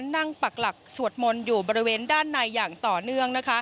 ปักหลักสวดมนต์อยู่บริเวณด้านในอย่างต่อเนื่อง